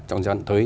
trong giai đoạn tới